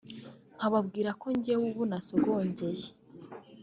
nkababwira ko njye ubu nasogongeye